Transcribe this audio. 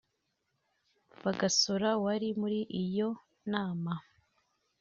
Bagosora wari muri iyo nama